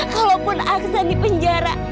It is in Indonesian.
kalaupun aksan di penjara